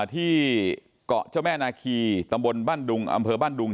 ที่เกาะเจ้าแม่นาคีตำบลบ้านดุงอำเภอบ้านดุง